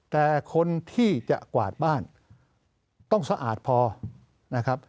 แต่คนที่จะกวาดบ้านต้องสะอาดพอนะครับ